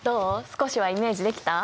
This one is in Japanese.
少しはイメージできた？